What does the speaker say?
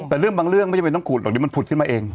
แต่เรื่องบางเรื่องไม่จำเป็นต้องขูดหรอกเดี๋ยวมันผุดขึ้นมาเอง